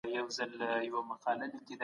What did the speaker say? د پوهې په برکت هر څه ممکن دي.